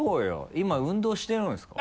今運動してるんですか？